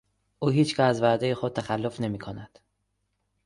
او هیچگاه از وعدهٔ خود تخلف نمیکند.